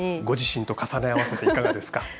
ご自身と重ね合わせていかがですか？